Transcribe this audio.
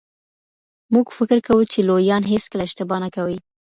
موږ فکر کوو چي لویان هیڅکله اشتباه نه کوي.